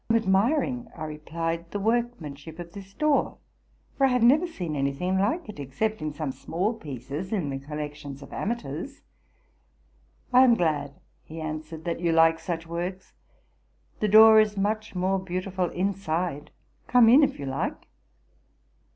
'1 am admiring,'' I replied, '* the workmanship of this door; for | I have never seen any thing like it, except in some small pieces in the collections of amateurs.'' —'' I am glad,'' he answered, 'that you like such works. The door is much more beautiful inside. Come in, if you like.